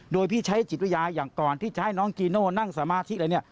โดยพี่ใช้จิตวิญญาณอย่างก่อนที่จะให้น้องจีโน่นั่งสมาธิอะไรเนี่ย